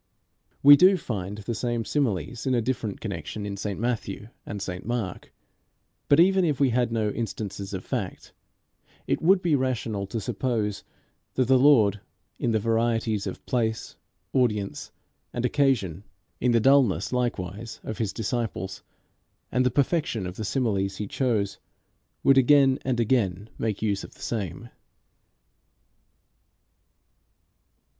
We do find the same similes in a different connection in St Matthew and St Mark; but even if we had no instances of fact, it would be rational to suppose that the Lord, in the varieties of place, audience, and occasion, in the dullness likewise of his disciples, and the perfection of the similes he chose, would again and again make use of the same.